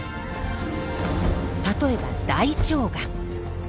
例えば大腸がん。